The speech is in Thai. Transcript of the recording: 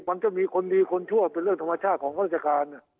มันก็มีคนดีคนชั่วเป็นเรื่องธรรมชาติของข้าราชการ